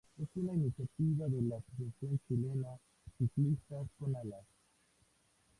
Es una iniciativa de la asociación chilena "Ciclistas con alas".